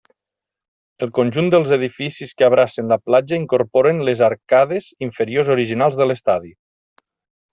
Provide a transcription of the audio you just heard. El conjunt dels edificis que abracen la plaça incorporen les arcades inferiors originals de l'Estadi.